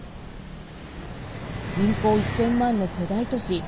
人口１０００万の巨大都市